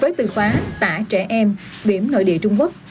với từ khóa tả trẻ em biển nội địa trung quốc